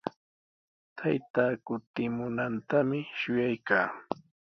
Taytaa kutimunantami shuyaykaa.